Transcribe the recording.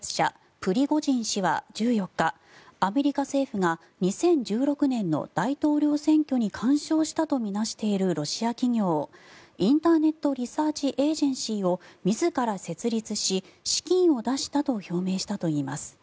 プリゴジン氏は１４日アメリカ政府が２０１６年の大統領選挙に干渉したと見なしているロシア企業インターネット・リサーチ・エージェンシーを自ら設立し資金を出したと表明したといいます。